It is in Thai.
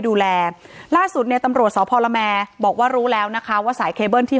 ดูแลล่าสุดเนี่ยตำรวจสพละแมบอกว่ารู้แล้วนะคะว่าสายเคเบิ้ลที่